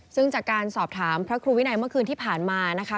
ซึ่งจากการสอบถามพระครูวินัยเมื่อคืนที่ผ่านมานะคะ